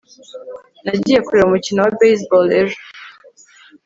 nagiye kureba umukino wa baseball ejo